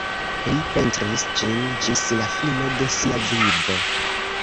Li pentris ĝin ĝis la fino de sia vivo.